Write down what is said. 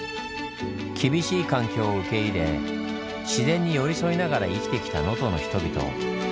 厳しい環境を受け入れ自然に寄り添いながら生きてきた能登の人々。